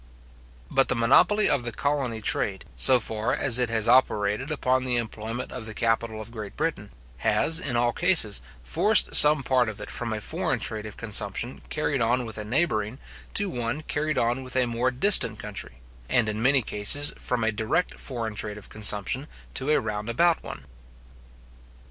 But the monopoly of the colony trade, so far as it has operated upon the employment of the capital of Great Britain, has, in all cases, forced some part of it from a foreign trade of consumption carried on with a neighbouring, to one carried on with a more distant country, and in many cases from a direct foreign trade of consumption to a round about one.